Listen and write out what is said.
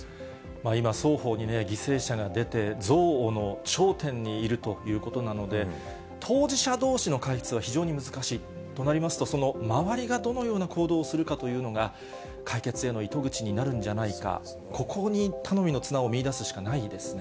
今、双方に犠牲者が出て、憎悪の頂点にいるということなので、当事者どうしのは非常に難しい、となりますと、その周りがどのような行動をするかというのが、解決への糸口になるんじゃないか、ここに頼みの綱を見いだすしかないですね。